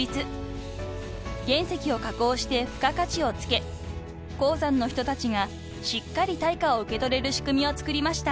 ［原石を加工して付加価値を付け鉱山の人たちがしっかり対価を受け取れる仕組みを作りました］